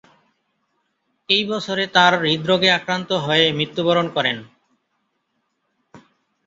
এই বছরে তার হৃদরোগে আক্রান্ত হয়ে মৃত্যুবরণ করেন।